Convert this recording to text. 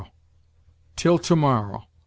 Till to morrow